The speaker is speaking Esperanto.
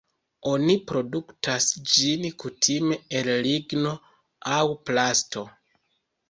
Oni produktas ĝin kutime el ligno aŭ plasto.